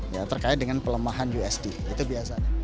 ya terkait dengan pelemahan usd itu biasanya